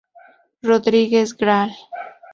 Rodríguez, Gral.